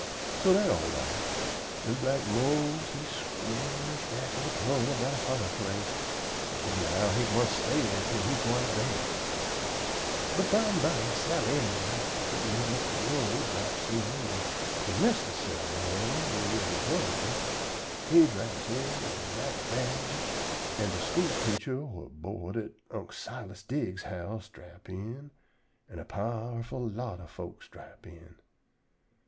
So dat all right. Li'l black Mose he scrooge back in de corner by de fireplace, an' he 'low he gwine stay dere till he gwine to bed. But bimeby Sally Ann, whut live up de road, draps in, an' Mistah Sally Ann, whut is her husban', he draps in an' Zack Badget an' de school teacher whut board at Unc' Silas Diggs's house drap in, an' a powerful lot ob folks drap in.